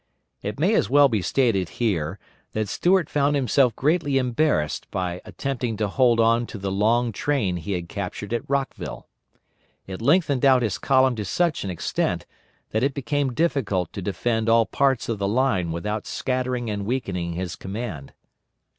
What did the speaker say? It may as well be stated here that Stuart found himself greatly embarrassed by attempting to hold on to the long train he had captured at Rockville. It lengthened out his column to such an extent that it became difficult to defend all parts of the line without scattering and weakening his command.